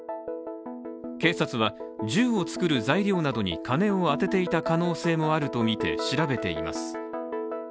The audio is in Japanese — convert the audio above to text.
警察は銃を作る材料などに金を充てていた可能性もあるとみて調べています。